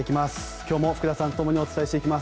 今日も福田さんとともにお伝えしていきます。